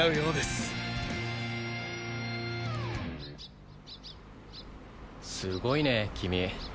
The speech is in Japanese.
すごいね君。